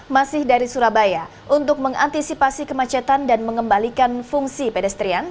masih dari surabaya untuk mengantisipasi kemacetan dan mengembalikan fungsi pedestrian